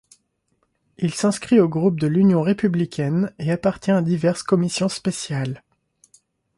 Il s'inscrit au groupe de l'Union républicaine et appartient à diverses Commissions spéciales.